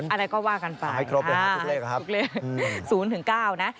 อะไรก็ว่ากันไป๐ถึง๙นะ